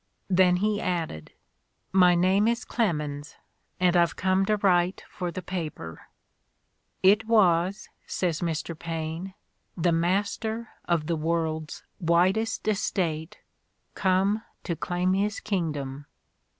Then he added: "My name is Clemens, and I've come to write for the paper." It was, says Mr. Paine, "the master of the world's widest estate come to claim his kingdom."